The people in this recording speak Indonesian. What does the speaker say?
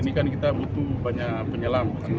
ini kan kita butuh banyak penyelam